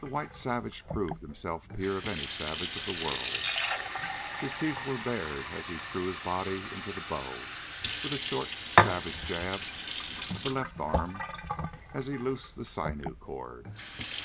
The white savage proved himself peer of any savage of the world. His teeth bared as he threw his body into the bow with a short, savage jab of the left arm as he loosed the sinew cord.